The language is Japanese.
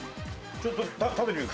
ちょっと食べてみて。